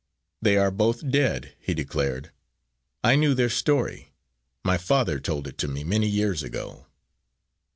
"They are both dead," he declared. "I knew their story; my father told it to me many years ago."